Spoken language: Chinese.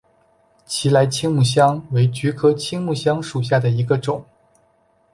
奇莱青木香为菊科青木香属下的一个种。